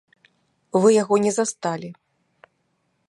Вы яго не засталі.